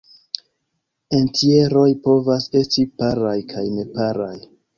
Entjeroj povas esti paraj kaj neparaj.